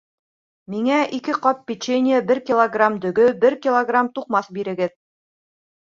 Миңә ике ҡап печенье, бер килограмм дөгө, бер килограмм туҡмас бирегеҙ.